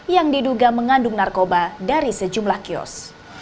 yang diduga mengandung narkoba dari sejumlah kios